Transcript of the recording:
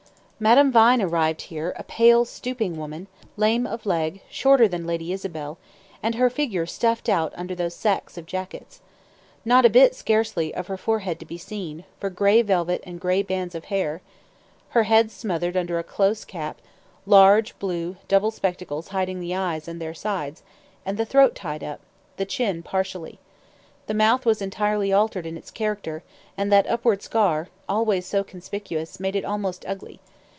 Madame Vine arrived here a pale, stooping woman, lame of one leg, shorter than Lady Isabel and her figure stuffed out under those sacks of jackets. Not a bit, scarcely, of her forehead to be seen, for gray velvet and gray bands of hair; her head smothered under a close cap, large, blue, double spectacles hiding the eyes and their sides, and the throat tied up; the chin partially. The mouth was entirely altered in its character, and that upward scar, always so conspicuous, made it almost ugly.